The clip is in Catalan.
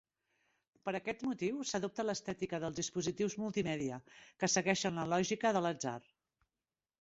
Per aquest motiu, s'adopta l'estètica dels dispositius multimèdia, que segueixen la lògica de l'atzar.